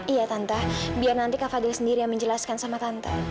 iya tante biar nanti kakak dari sendiri yang menjelaskan sama tante